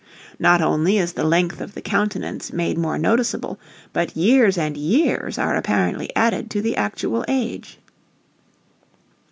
Not only is the length of the countenance made more noticeable, but years and years are apparently added to the actual age.